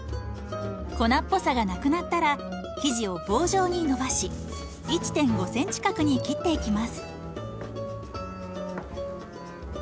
粉っぽさがなくなったら生地を棒状にのばし１．５ｃｍ角に切っていきます。